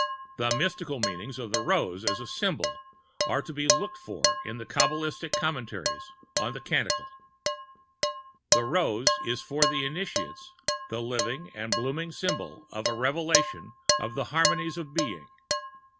The mystical meanings of the Rose as a Symbol are to be looked for in the Kabalistic Commentaries on the Canticles. The Rose was for the Initiates the living and blooming symbol of the revelation of the harmonies of being.